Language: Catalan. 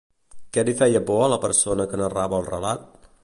Què li feia por a la persona que narrava el relat?